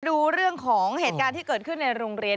ดูเรื่องของเหตุการณ์ที่เกิดขึ้นในโรงเรียน